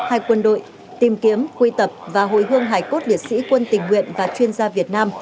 hai quân đội tìm kiếm quy tập và hồi hương hải cốt liệt sĩ quân tình nguyện và chuyên gia việt nam